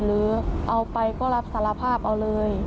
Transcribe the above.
หรือเอาไปก็รับสารภาพเอาเลย